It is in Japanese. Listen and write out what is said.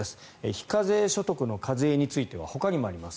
非課税所得の課税についてはほかにもあります。